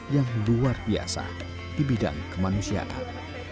yang luar biasa di bidang kemanusiaan